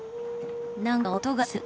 なんか音がする。